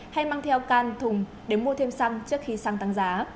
hay mang theo can thùng để mua thêm xăng trước khi xăng tăng giá